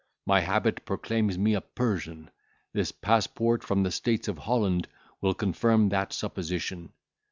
My habit proclaims me a Persian; this passport from the States of Holland will confirm that supposition.